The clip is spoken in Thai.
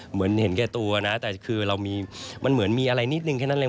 เหมือนเห็นแก่ตัวนะแต่คือเรามีมันเหมือนมีอะไรนิดนึงแค่นั้นเลย